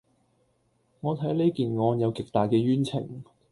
我睇呢件案有極大嘅冤情